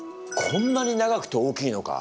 こんなに長くて大きいのか！